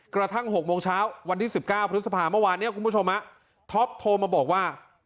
กระทั่ง๖โมงเช้าวันที่๑๙พฤษภาเมื่อวานนี้คุณผู้ชมท็อปโทรมาบอกว่า